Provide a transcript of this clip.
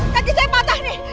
kaki saya patah nih